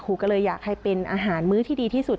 ก็เลยอยากให้เป็นอาหารมื้อที่ดีที่สุด